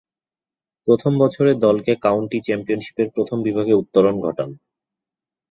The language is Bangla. প্রথম বছরে দলকে কাউন্টি চ্যাম্পিয়নশীপের প্রথম বিভাগে উত্তরণ ঘটান।